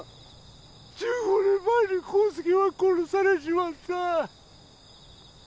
１５年前に康介は殺されちまった